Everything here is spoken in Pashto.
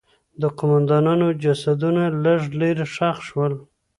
د قوماندانانو جسدونه لږ لرې ښخ شول.